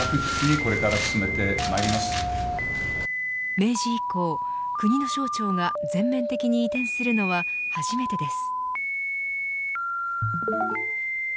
明治以降国の省庁が全面的に移転するのは初めてです。